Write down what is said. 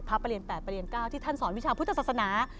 พระประเรียน๘ประเรียน๙ที่ท่านสอนวิชาพุทธศาสนา